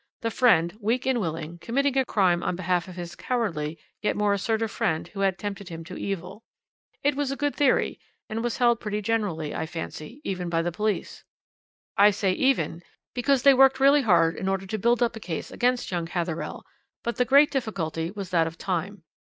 The friend, weak and willing, committing a crime on behalf of his cowardly, yet more assertive friend who had tempted him to evil. It was a good theory; and was held pretty generally, I fancy, even by the police. "I say 'even' because they worked really hard in order to build up a case against young Hatherell, but the great difficulty was that of time.